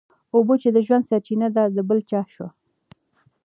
اوبه چي د ژوند سرچینه ده د بل چا شوې.